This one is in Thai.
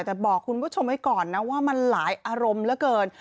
แต่บอกคุณผู้ชมไว้ก่อนนะว่ามันหลายอารมณ์เหลือเกิน